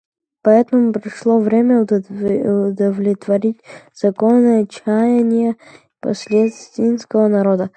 Поэтому пришло время удовлетворить законные чаяния палестинского народа.